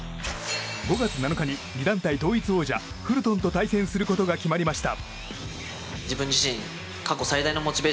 ５月７日に２団体統一王者フルトンと対戦することが決まりました。